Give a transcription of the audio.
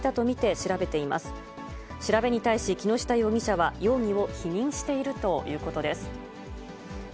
調べに対し木下容疑者は、容疑を否認しているということです。